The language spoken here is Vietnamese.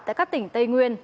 tại các tỉnh tây nguyên